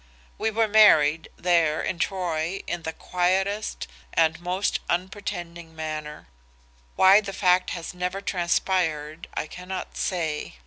"We were married, there, in Troy in the quietest and most unpretending manner. Why the fact has never transpired I cannot say.